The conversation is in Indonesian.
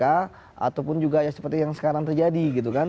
ataupun juga ya seperti yang sekarang terjadi gitu kan